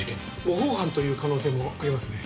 模倣犯という可能性もありますね。